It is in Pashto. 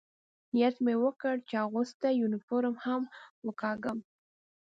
نیت مې وکړ، چې اغوستی یونیفورم هم وکاږم.